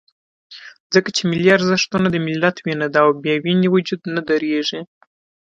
ځکه چې ملي ارزښتونه د ملت وینه ده، او بې وینې وجود نه درېږي.